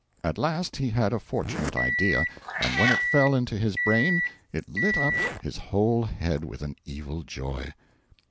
At last he had a fortunate idea, and when it fell into his brain it lit up his whole head with an evil joy.